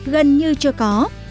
gần như chưa có